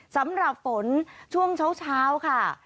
สำหรับฝนช่วงเช้าค่ะ